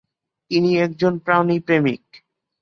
তিনি একজন প্রাণী প্রেমিক।